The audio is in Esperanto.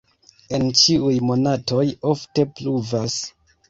En ĉiuj monatoj ofte pluvas.